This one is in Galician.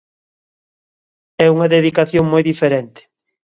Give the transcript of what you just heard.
É unha dedicación moi diferente.